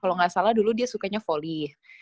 kalau nggak salah dulu dia sukanya volley